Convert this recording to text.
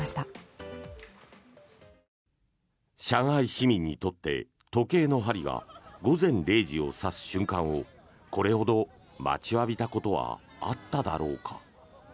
市民にとって時計の針が午前０時を指す瞬間をこれほど待ちわびたことはあっただろうか。